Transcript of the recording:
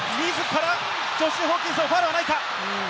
ジョシュ・ホーキンソン、ファウルはないか？